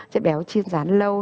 chất béo chiên rán lâu